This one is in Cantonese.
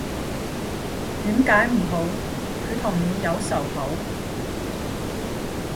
點解唔好，佢同你有仇口？